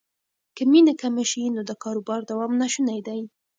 که مینه کمه شي نو د کاروبار دوام ناشونی دی.